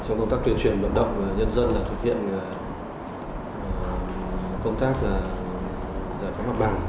trong công tác tuyên truyền vận động và nhân dân là thực hiện công tác giải pháp bằng